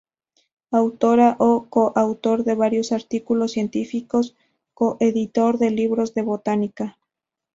Autora o Co-autor de varios artículos científicos, Co-editor de libros de botánica.